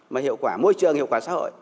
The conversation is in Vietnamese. mà hiệu quả môi trường hiệu quả xã hội